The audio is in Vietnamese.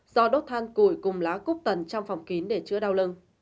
do đốt than củi cùng lá cúp tần trong phòng kín để chữa đau lưng